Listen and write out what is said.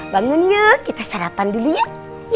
bangun yuk kita sarapan dulu yuk